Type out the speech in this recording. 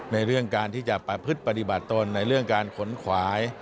ในเรื่องการที่จะประพฤติปฏิบัติตนในเรื่องการขนขวาย